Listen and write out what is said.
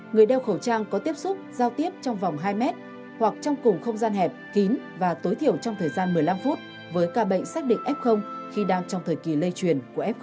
người đeo khẩu trang có tiếp xúc giao tiếp trong vòng hai mét hoặc trong cùng không gian hẹp kín và tối thiểu trong thời gian một mươi năm phút với ca bệnh xác định f khi đang trong thời kỳ lây truyền của f một